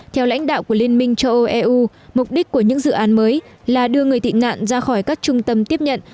theo lãnh đạo của liên minh châu âu eu mục đích của những dự án mới là đưa người tị nạn ra khỏi các trung tâm tiếp nhận